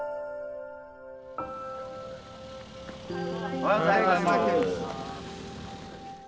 おはようございます。